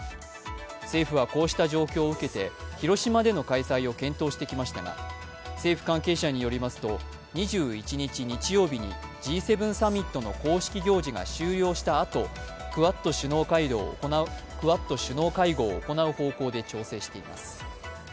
政府はこうした状況を受けて広島での開催を検討してきましたが政府関係者によりますと、２１日日曜日に、Ｇ７サミットの公式行事が終了したあと、クアッド首脳会合を行う方向で調整しています。